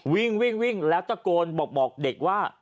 วิ่งแล้วตะโกนบอกเด็กว่า